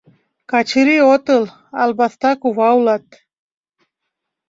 — Качыри отыл, албаста кува улат...